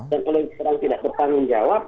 dan kalau sekarang tidak bertanggung jawab